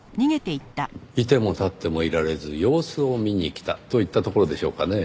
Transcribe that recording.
いてもたってもいられず様子を見に来たといったところでしょうかねぇ。